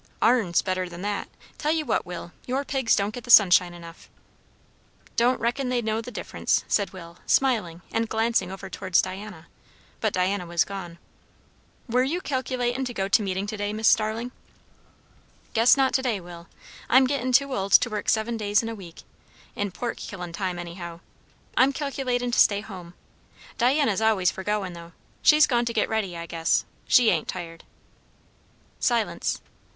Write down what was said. "Our'n's better than that. Tell you what, Will, your pigs don't get the sunshine enough." "Don't reckon they know the difference," said Will, smiling and glancing over towards Diana; but Diana was gone. "Were you calculatin' to go to meetin' to day, Mis' Starling?" "Guess not to day, Will. I'm gettin' too old to work seven days in a week in pork killin' time, anyhow. I'm calculatin' to stay home. Diana's always for goin', though; she's gone to get ready, I guess. She ain't tired." Silence.